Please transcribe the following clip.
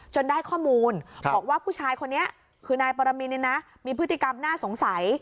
ได้ข้อมูลบอกว่าผู้ชายคนนี้คือนายปรมินมีพฤติกรรมน่าสงสัย